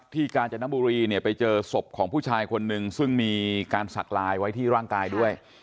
กาญจนบุรีเนี่ยไปเจอศพของผู้ชายคนนึงซึ่งมีการสักลายไว้ที่ร่างกายด้วย